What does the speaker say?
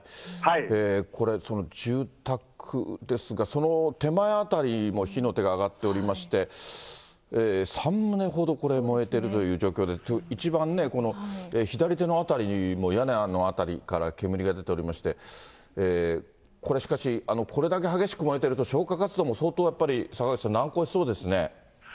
これ、その住宅ですが、その手前辺りも火の手が上がっておりまして、３棟ほど、これ燃えているという状況で、一番、この左手の辺りに、屋根の辺りから煙が出ておりまして、これしかし、これだけ激しく燃えてると、消火活動も相当やっぱり、坂口さん、そうですね。